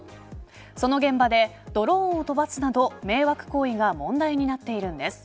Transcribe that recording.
その現場でドローンを飛ばすなど迷惑行為が問題になっているんです。